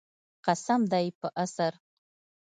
قسم دی په عصر.